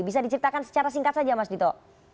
bisa diceritakan secara singkat saja mas dito